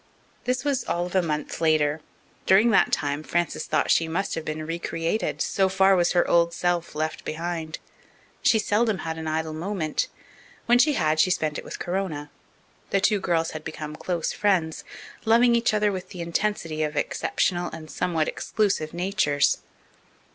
This was all of a month later. During that time Frances thought that she must have been re created, so far was her old self left behind. She seldom had an idle moment; when she had, she spent it with Corona. The two girls had become close friends, loving each other with the intensity of exceptional and somewhat exclusive natures.